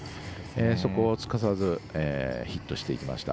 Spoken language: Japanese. そこをすかさずヒットしていきました。